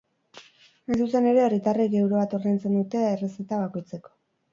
Hain zuzen ere, herritarrek euro bat ordaintzen dute errezeta bakoitzeko.